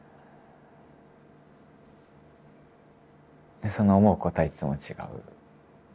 でその思うことはいつも違う。